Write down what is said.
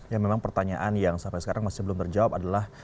ya memang pertanyaan yang sampai sekarang masih belum terjawab adalah